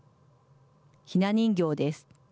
ひな人形です。